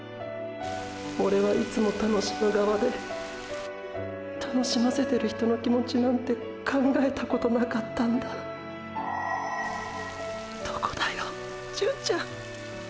オレはいつも楽しむ側でーー楽しませてる人の気持ちなんて考えたことなかったんだどこだよ純ちゃん。